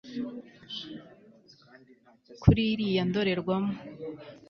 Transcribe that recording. kuri iriya ndorerwamo